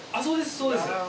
そうですそうです。